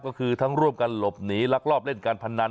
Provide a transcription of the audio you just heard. ก็คือทั้งร่วมกันหลบหนีลักลอบเล่นการพนัน